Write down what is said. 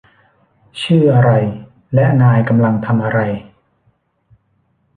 ชื่ออะไรและนายกำลังทำอะไร